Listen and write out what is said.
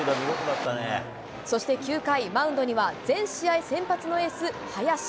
そして９回、マウンドには、全試合先発のエース、早し。